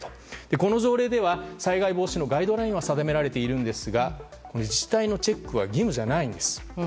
この条例では、災害防止のガイドラインは定められていますが自治体のチェックは義務じゃないんです。